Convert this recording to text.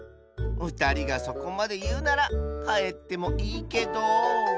ふたりがそこまでいうならかえってもいいけど。